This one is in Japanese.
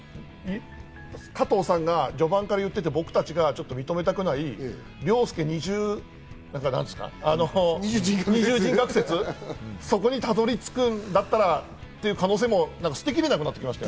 加藤さんが序盤から言っていて、僕たちが認めたくない、凌介二重人格説、そこにたどり着くんだったらという可能性も捨てきれなくなってきましたね。